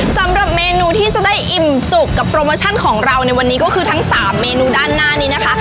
สำหรับเมนูที่จะได้อิ่มจุกกับโปรโมชั่นของเราในวันนี้ก็คือทั้ง๓เมนูด้านหน้านี้นะคะ